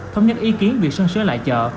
thống nhất ý kiến việc sơn sửa lại chợ